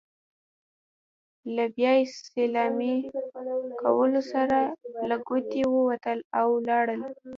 له بیا سلامۍ کولو سره له کوټې ووتل، او لاړل.